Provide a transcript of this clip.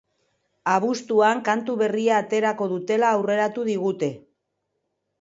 Abuztuan kantu berria aterako dutela aurreratu digute.